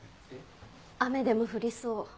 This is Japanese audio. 雨でも降りそう。